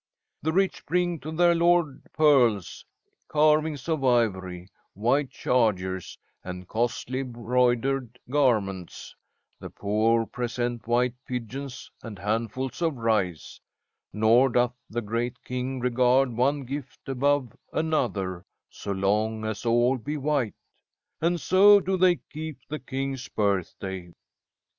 The rich bring to their lord pearls, carvings of ivory, white chargers, and costly broidered garments. The poor present white pigeons and handfuls of rice. Nor doth the great king regard one gift above another, so long as all be white. And so do they keep the king's birthday.'"